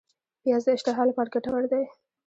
پیاز د اشتها لپاره ګټور دی